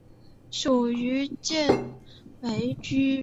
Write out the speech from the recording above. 属犍为郡。